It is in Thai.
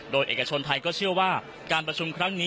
โดยเอกชนไทยก็เชื่อว่าการประชุมครั้งนี้